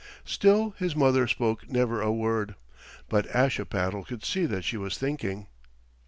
Still his mother spoke never a word, but Ashipattle could see that she was thinking.